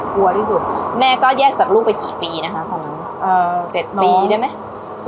คือแกล็กกับลูกไปกี่ปีนะค่ะ